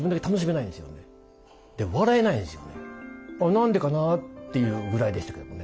何でかな？というぐらいでしたけどもね。